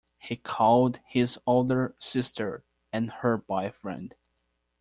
He called his older sister and her boyfriend.